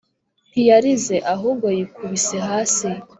ntiyarize ahubwo yikubise hasi